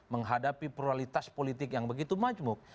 menghadapi pluralitas politik yang begitu majmuk